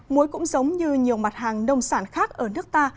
muối cũng giống như nhiều mặt hàng nông sản khác ở nước ta